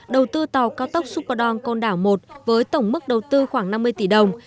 đầu tư tàu cá tốc superdome côn đảo một với tổng mức đầu tư khoảng năm mươi tỷ đồng